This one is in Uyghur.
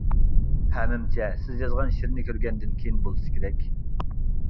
پەمىمچە سىز يازغان شېئىرنى كۆرگەندىن كېيىن بولسا كېرەك.